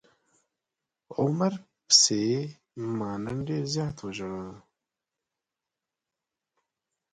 عمر پسې ما نن ډير زيات وژړل.